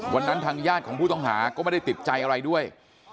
ทางญาติของผู้ต้องหาก็ไม่ได้ติดใจอะไรด้วย